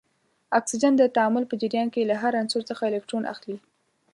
اکسیجن د تعامل په جریان کې له هر عنصر څخه الکترون اخلي.